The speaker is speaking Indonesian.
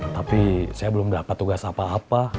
tapi saya belum dapat tugas apa apa